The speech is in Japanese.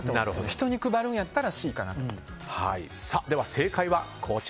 人に配るんやったらＣかなと。